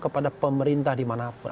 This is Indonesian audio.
kepada pemerintah dimanapun